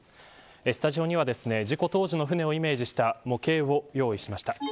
スタジオには事故当時の舟をイメージした模型を用意しました。